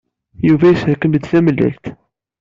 Yuba yesserkem-d tamellalt.